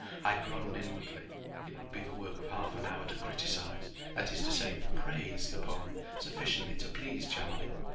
I groaned inwardly. It would be the work of half an hour to criticise—that is to say praise—the poem sufficiently to please Charlie.